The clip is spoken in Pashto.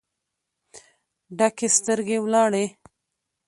ډکې سترګې ولاړې